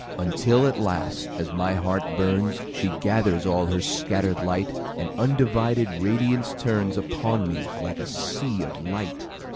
Until at last, as my heart burns, She gathers all her scatter'd light, And undivided radiance turnsUpon me like a sea of light.